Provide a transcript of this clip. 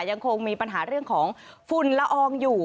ยังคงมีปัญหาเรื่องของฝุ่นละอองอยู่